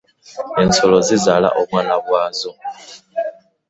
Ensolo zizaala obwana bwazo.